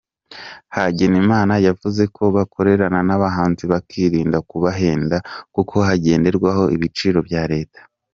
Hagenimana yavuze ko bakorana n’abahinzi bakirinda kubahenda kuko hagenderwa ku biciro bya leta.